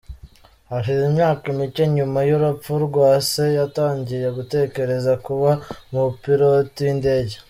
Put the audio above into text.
Hashize imyaka mike nyuma y’urupfu rwa se yatangiye gutekereza kuba umupiloti w’indege.